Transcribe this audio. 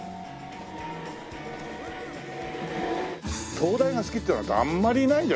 灯台が好きっていう方あんまりいないんじゃ。